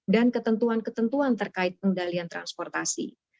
dan ketentuan ketentuan terkait pengendalian transportasi